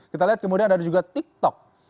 kita lihat kemudian ada juga tiktok